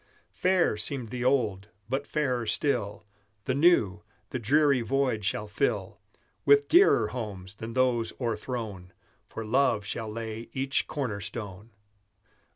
Fair seemed the old; but fairer still The new, the dreary void shall fill With dearer homes than those o'erthrown, For love shall lay each corner stone.